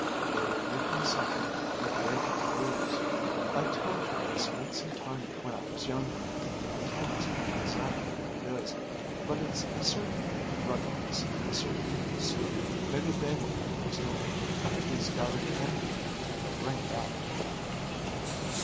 They will give him something he'll be able to use. I told you I spent some time there when I was younger. I can't explain exactly what it is, but it's a certain ruggedness, a certain strength. Maybe they won't give it to him, but if he's got it in him, they'll bring it out."